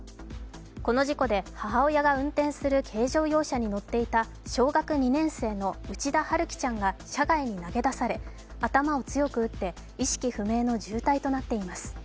この事故で母親が運転する軽乗用車に乗っていた小学２年生の内田晴葵ちゃんが車外に投げ出され頭を強く打って意識不明の重体となっています。